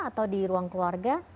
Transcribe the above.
atau di ruang keluarga